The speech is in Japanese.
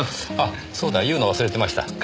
あそうだ。言うの忘れてました。